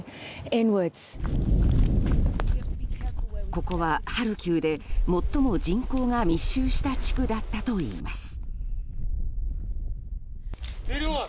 ここは、ハルキウで最も人口が密集した地区だったといいます。